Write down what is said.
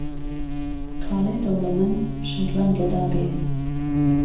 کاڵێ دهوڵهمهن، شاجوان گدا بێ